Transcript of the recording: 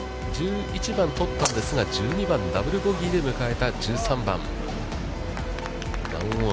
１１番を取ったんですが、１２番ダブル・ボギーで迎えた１３番。